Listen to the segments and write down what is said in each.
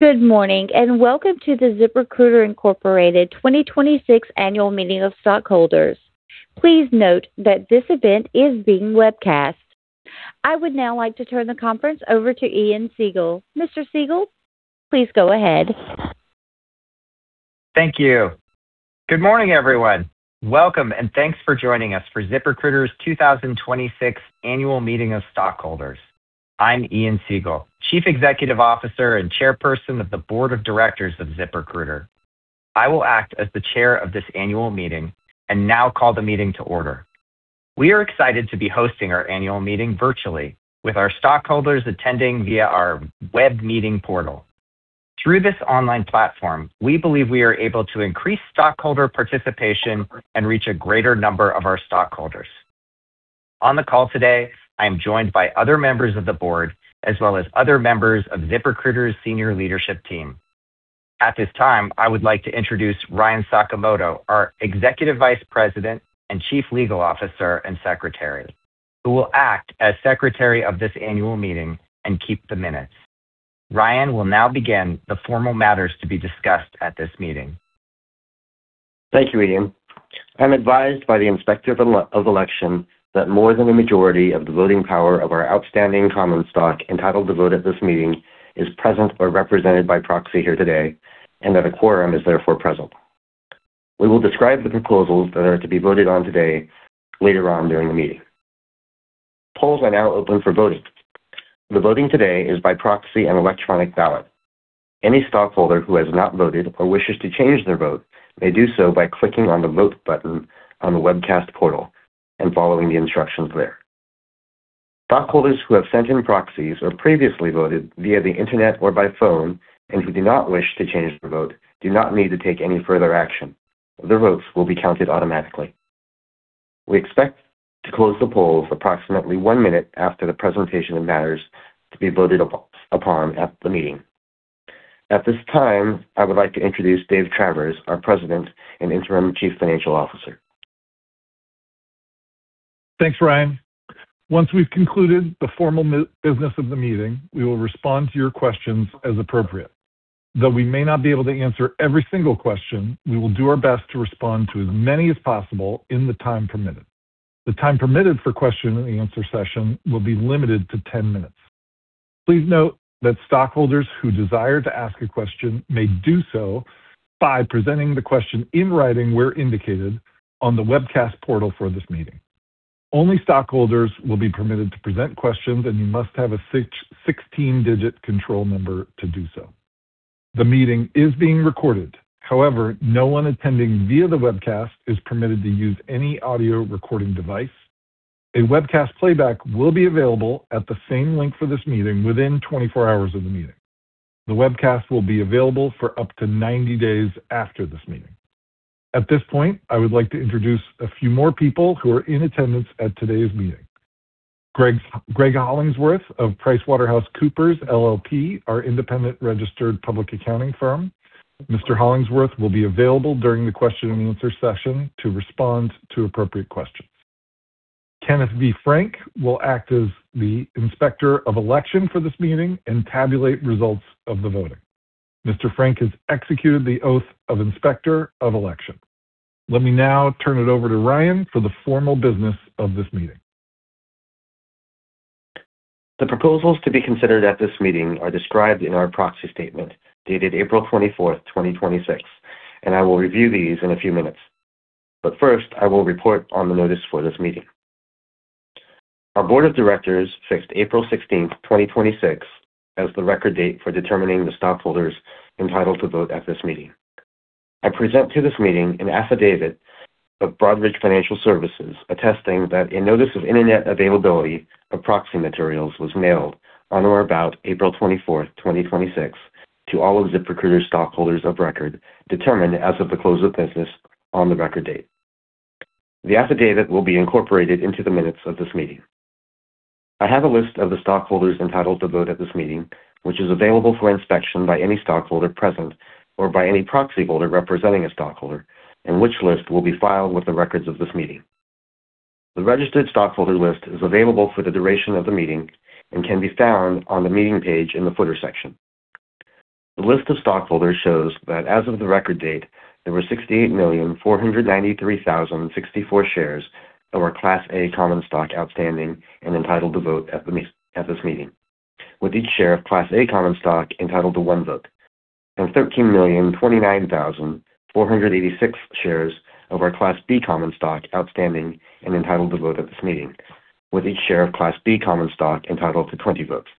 Good morning, and welcome to the ZipRecruiter Incorporated 2026 Annual Meeting of Stockholders. Please note that this event is being webcast. I would now like to turn the conference over to Ian Siegel. Mr. Siegel, please go ahead. Thank you. Good morning, everyone. Welcome, and thanks for joining us for ZipRecruiter's 2026 Annual Meeting of Stockholders. I'm Ian Siegel, Chief Executive Officer and Chairperson of the Board of Directors of ZipRecruiter. I will act as the chair of this annual meeting and now call the meeting to order. We are excited to be hosting our annual meeting virtually with our stockholders attending via our web meeting portal. Through this online platform, we believe we are able to increase stockholder participation and reach a greater number of our stockholders. On the call today, I am joined by other members of the board, as well as other members of ZipRecruiter's senior leadership team. At this time, I would like to introduce Ryan Sakamoto, our Executive Vice President and Chief Legal Officer and Secretary, who will act as secretary of this annual meeting and keep the minutes. Ryan will now begin the formal matters to be discussed at this meeting. Thank you, Ian. I'm advised by the Inspector of Election that more than a majority of the voting power of our outstanding common stock entitled to vote at this meeting is present or represented by proxy here today, and that a quorum is therefore present. We will describe the proposals that are to be voted on today later on during the meeting. Polls are now open for voting. The voting today is by proxy and electronic ballot. Any stockholder who has not voted or wishes to change their vote may do so by clicking on the vote button on the webcast portal and following the instructions there. Stockholders who have sent in proxies or previously voted via the internet or by phone and who do not wish to change their vote do not need to take any further action. Their votes will be counted automatically. We expect to close the polls approximately one minute after the presentation of matters to be voted upon at the meeting. At this time, I would like to introduce David Travers, our President and Interim Chief Financial Officer. Thanks, Ryan. Once we've concluded the formal business of the meeting, we will respond to your questions as appropriate. We may not be able to answer every single question, we will do our best to respond to as many as possible in the time permitted. The time permitted for question and answer session will be limited to 10 minutes. Please note that stockholders who desire to ask a question may do so by presenting the question in writing where indicated on the webcast portal for this meeting. Only stockholders will be permitted to present questions, and you must have a 16-digit control number to do so. The meeting is being recorded. No one attending via the webcast is permitted to use any audio recording device. A webcast playback will be available at the same link for this meeting within 24 hours of the meeting. The webcast will be available for up to 90 days after this meeting. At this point, I would like to introduce a few more people who are in attendance at today's meeting. Greg Hollingsworth of PricewaterhouseCoopers LLP, our independent registered public accounting firm. Mr. Hollingsworth will be available during the question and answer session to respond to appropriate questions. Kenneth V. Frank will act as the Inspector of Election for this meeting and tabulate results of the voting. Mr. Frank has executed the Oath of Inspector of Election. Let me now turn it over to Ryan for the formal business of this meeting. The proposals to be considered at this meeting are described in our proxy statement dated April 24th, 2026, I will review these in a few minutes. First, I will report on the notice for this meeting. Our board of directors fixed April 16th, 2026, as the record date for determining the stockholders entitled to vote at this meeting. I present to this meeting an affidavit of Broadridge Financial Solutions attesting that a notice of internet availability of proxy materials was mailed on or about April 24th, 2026, to all of ZipRecruiter's stockholders of record, determined as of the close of business on the record date. The affidavit will be incorporated into the minutes of this meeting. I have a list of the stockholders entitled to vote at this meeting, which is available for inspection by any stockholder present or by any proxy holder representing a stockholder and which list will be filed with the records of this meeting. The registered stockholder list is available for the duration of the meeting and can be found on the meeting page in the footer section. The list of stockholders shows that as of the record date, there were 68,493,064 shares of our Class A common stock outstanding and entitled to vote at this meeting, with each share of Class A common stock entitled to one vote, and 13,029,486 shares of our Class B common stock outstanding and entitled to vote at this meeting, with each share of Class B common stock entitled to 20 votes.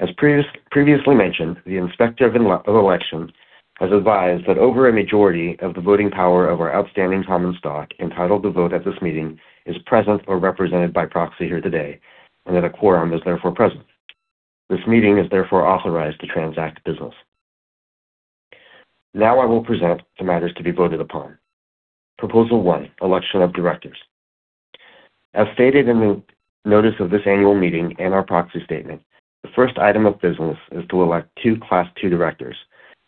As previously mentioned, the Inspector of Election has advised that over a majority of the voting power of our outstanding common stock entitled to vote at this meeting is present or represented by proxy here today, and that a quorum is therefore present. This meeting is therefore authorized to transact business. Now I will present the matters to be voted upon. Proposal one, election of directors. As stated in the notice of this annual meeting and our proxy statement, The first item of business is to elect two Class II directors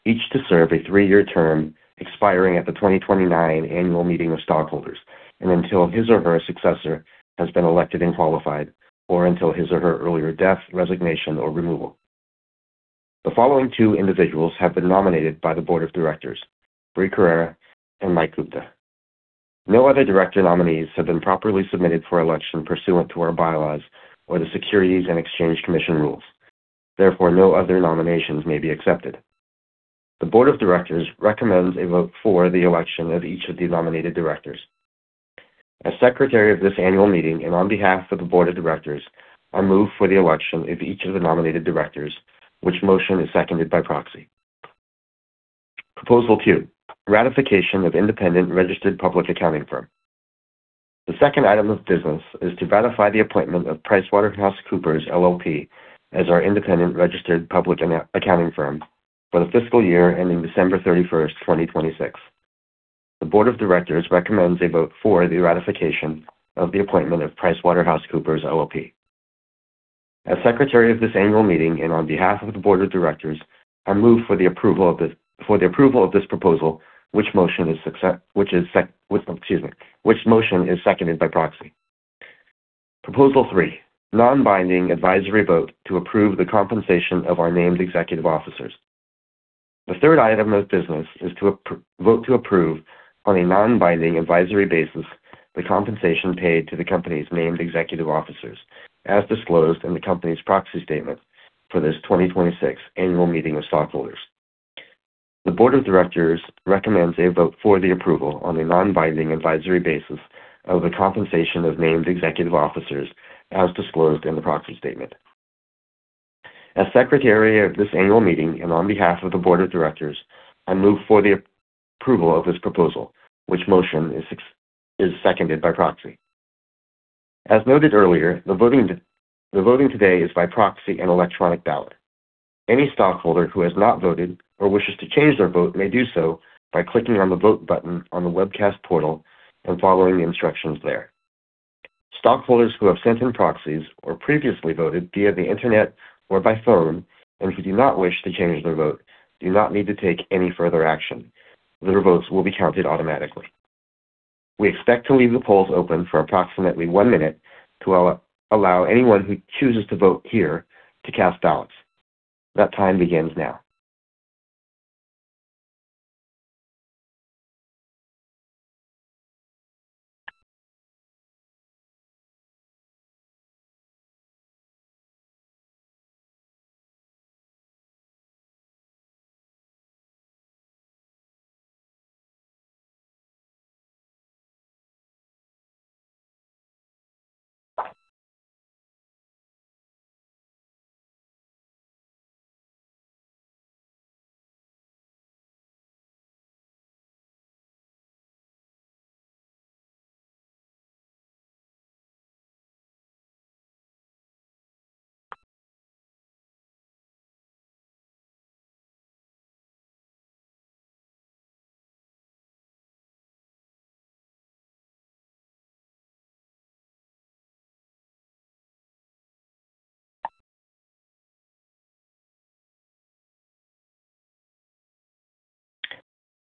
each to serve a three-year term expiring at the 2029 annual meeting of stockholders, and until his or her successor has been elected and qualified, or until his or her earlier death, resignation, or removal. The following two individuals have been nominated by the board of directors, Brie Carere and Mike Gupta. No other director nominees have been properly submitted for election pursuant to our bylaws or the Securities and Exchange Commission rules. Therefore, no other nominations may be accepted. The board of directors recommends a vote for the election of each of the nominated directors. As secretary of this annual meeting and on behalf of the board of directors, I move for the election of each of the nominated directors, which motion is seconded by proxy. Proposal two, ratification of independent registered public accounting firm. The second item of business is to ratify the appointment of PricewaterhouseCoopers LLP as our independent registered public accounting firm for the fiscal year ending December 31st, 2026. The board of directors recommends a vote for the ratification of the appointment of PricewaterhouseCoopers LLP. As secretary of this annual meeting and on behalf of the board of directors, I move for the approval of this proposal, which motion is seconded by proxy. Proposal three, non-binding advisory vote to approve the compensation of our named executive officers. The third item of business is to vote to approve, on a non-binding advisory basis, the compensation paid to the company's named executive officers, as disclosed in the company's proxy statement for this 2026 annual meeting of stockholders. The board of directors recommends a vote for the approval on a non-binding advisory basis of the compensation of named executive officers, as disclosed in the proxy statement. As secretary of this annual meeting and on behalf of the board of directors, I move for the approval of this proposal, which motion is seconded by proxy. As noted earlier, the voting today is by proxy and electronic ballot. Any stockholder who has not voted or wishes to change their vote may do so by clicking on the vote button on the webcast portal and following the instructions there. Stockholders who have sent in proxies or previously voted via the internet or by phone and who do not wish to change their vote do not need to take any further action. Their votes will be counted automatically. We expect to leave the polls open for approximately one minute to allow anyone who chooses to vote here to cast ballots. That time begins now.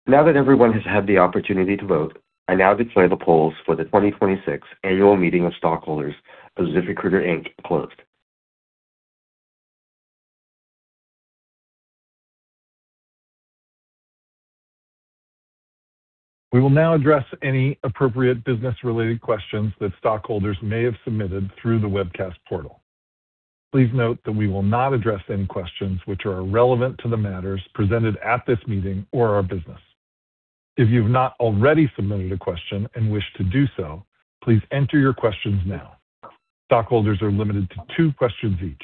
Now that everyone has had the opportunity to vote, I now declare the polls for the 2026 annual meeting of stockholders of ZipRecruiter, Inc. closed. We will now address any appropriate business-related questions that stockholders may have submitted through the webcast portal. Please note that we will not address any questions which are irrelevant to the matters presented at this meeting or our business. If you've not already submitted a question and wish to do so, please enter your questions now. Stockholders are limited to two questions each.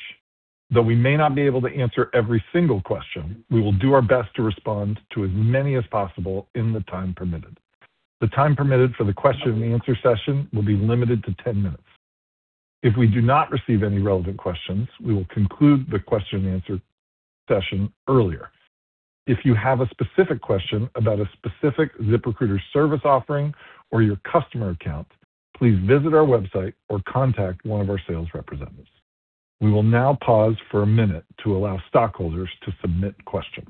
Though we may not be able to answer every single question, we will do our best to respond to as many as possible in the time permitted. The time permitted for the question and answer session will be limited to 10 minutes. If we do not receive any relevant questions, we will conclude the question and answer session earlier. If you have a specific question about a specific ZipRecruiter service offering or your customer account, please visit our website or contact one of our sales representatives. We will now pause for a minute to allow stockholders to submit questions.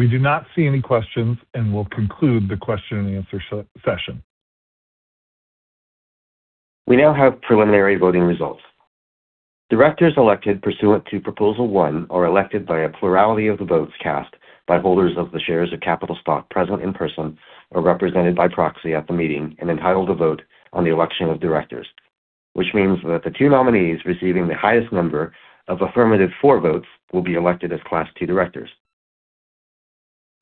We do not see any questions and will conclude the question and answer session. We now have preliminary voting results. Directors elected pursuant to Proposal One are elected by a plurality of the votes cast by holders of the shares of capital stock present in person or represented by proxy at the meeting and entitled to vote on the election of directors. Which means that the two nominees receiving the highest number of affirmative for votes will be elected as Class II directors.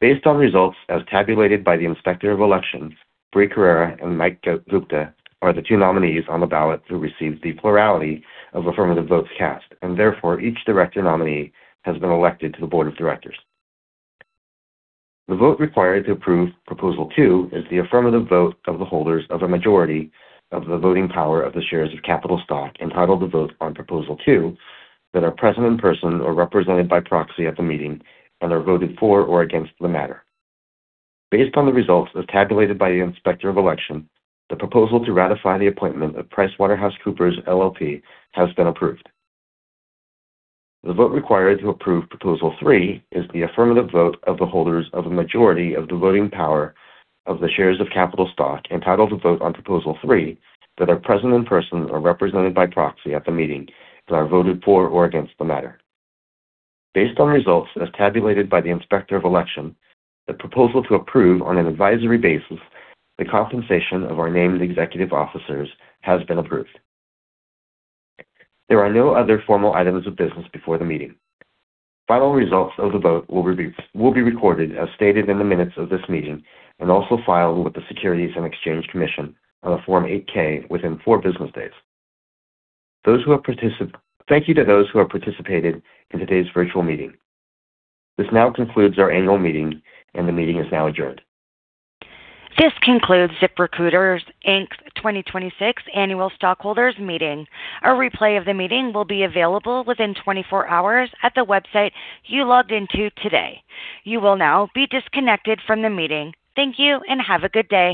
Based on results as tabulated by the Inspector of Election, Brie Carrera and Mike Gupta are the two nominees on the ballot who received the plurality of affirmative votes cast, and therefore each director nominee has been elected to the board of directors. The vote required to approve Proposal Two is the affirmative vote of the holders of a majority of the voting power of the shares of capital stock entitled to vote on Proposal Two that are present in person or represented by proxy at the meeting and are voted for or against the matter. Based on the results as tabulated by the Inspector of Election, the proposal to ratify the appointment of PricewaterhouseCoopers LLP has been approved. The vote required to approve Proposal Three is the affirmative vote of the holders of a majority of the voting power of the shares of capital stock entitled to vote on Proposal Three that are present in person or represented by proxy at the meeting and are voted for or against the matter. Based on results as tabulated by the Inspector of Election, the proposal to approve, on an advisory basis, the compensation of our named executive officers has been approved. There are no other formal items of business before the meeting. Final results of the vote will be recorded as stated in the minutes of this meeting and also filed with the Securities and Exchange Commission on a Form 8-K within four business days. Thank you to those who have participated in today's virtual meeting. This now concludes our annual meeting, and the meeting is now adjourned. This concludes ZipRecruiter, Inc's 2026 annual stockholders meeting. A replay of the meeting will be available within 24 hours at the website you logged into today. You will now be disconnected from the meeting. Thank you and have a good day.